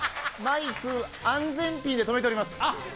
マイク、安全ピンで留めております。